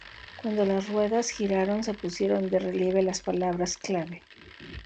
Cuando las ruedas giraron, se pusieron de relieve las palabras clave.